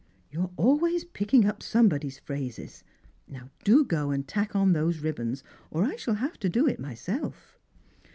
" You are always picking up somebody's phrases. Do go and tack on those ribbons, or I shall have to do it myself."